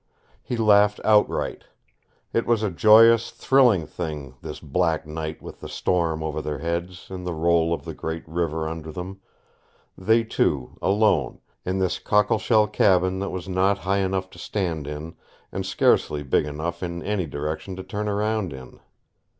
He laughed outright. It was a joyous, thrilling thing, this black night with the storm over their heads and the roll of the great river under them they two alone in this cockleshell cabin that was not high enough to stand in and scarcely big enough in any direction to turn round in.